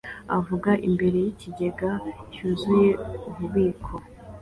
avuga imbere yikigega cyuzuye ububiko